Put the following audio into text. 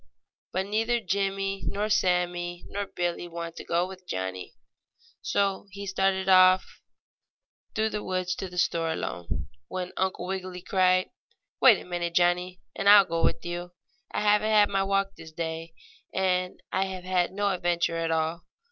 But neither Jimmie, nor Sammie nor Billie wanted to go with Johnnie, so he started off through the woods to the store alone, when Uncle Wiggily cried: "Wait a minute, Johnnie, and I'll go with you. I haven't had my walk this day, and I have had no adventure at all.